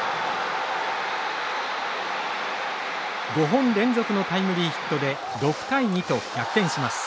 ５本連続のタイムリーヒットで６対２と逆転します。